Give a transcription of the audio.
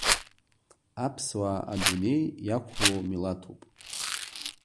Аԥсуаа адунеи иақәлоу милаҭуп.